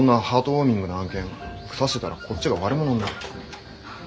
ウォーミングな案件クサしてたらこっちが悪者になる。